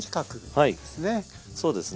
はいそうですね。